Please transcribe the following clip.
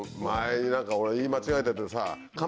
前に何か俺言い間違えててさ。